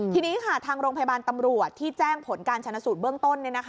ทีนี้ค่ะทางโรงพยาบาลตำรวจที่แจ้งผลการชนะสูตรเบื้องต้น